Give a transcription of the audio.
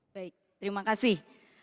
baik terima kasih